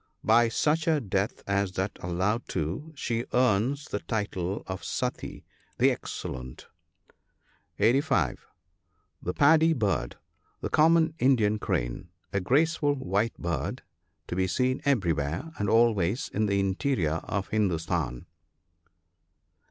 — By such a death as that alluded to, she earns the title of Sati, the "excellent." (85.) The paddy bird. — The common Indian crane ; a graceful white bird, to be seen everywhere, and always, in the interior of Hin dustan.